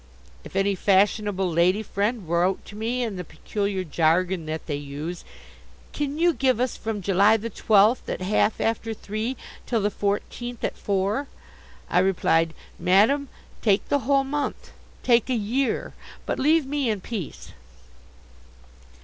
If any fashionable lady friend wrote to me in the peculiar jargon that they use: "Can you give us from July the twelfth at half after three till the fourteenth at four?" I replied: "Madam, take the whole month, take a year, but leave me in peace."